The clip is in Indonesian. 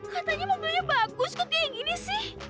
katanya mobilnya bagus kok kayak gini sih